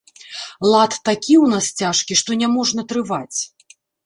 Лад такі ў нас цяжкі, што няможна трываць.